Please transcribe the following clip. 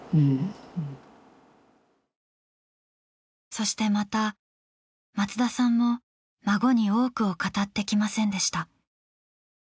そしてまた松田さんも孫に多くを語ってきませんでした。